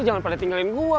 jangan pada tinggalin gua